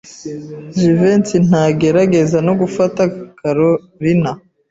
Jivency ntagerageza no gufasha Kalorina.